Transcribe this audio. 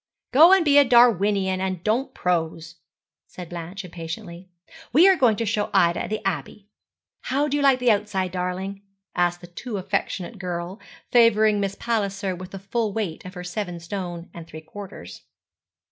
'Go and be a Darwinian, and don't prose,' said Blanche, impatiently. 'We are going to show Ida the Abbey. How do you like the outside, darling?' asked the too affectionate girl, favouring Miss Palliser with the full weight of her seven stone and three quarters.